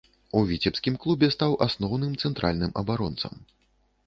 У віцебскім клубе стаў асноўным цэнтральным абаронцам.